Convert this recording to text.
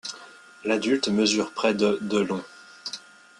L'adulte mesure près de de long.